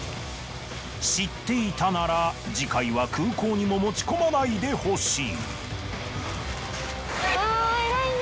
知っていたなら次回は空港にも持ち込まないでほしい。